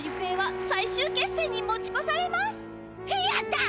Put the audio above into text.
やった！